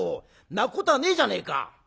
泣くことはねえじゃねえか！